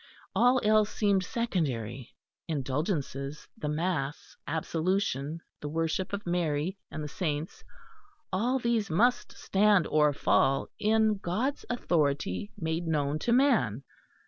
All else seemed secondary. Indulgences, the Mass, Absolution, the Worship of Mary and the Saints all these must stand or fall on God's authority made known to man.